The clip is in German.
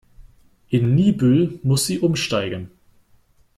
In Niebüll muss sie umsteigen.